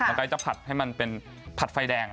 มันก็จะผัดให้มันเป็นผัดไฟแดง